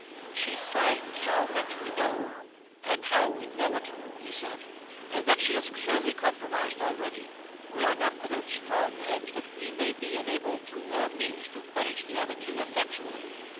'When she finds how much we know, and how we know it,' he said, 'and that she is clearly compromised already, we are not without strong hopes that we may be enabled through her means to punish the other two effectually.